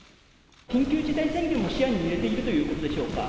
緊急事態宣言を視野に入れているということでしょうか。